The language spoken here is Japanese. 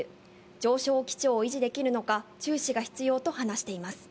上昇基調を維持できるのか、注視が必要と話しています。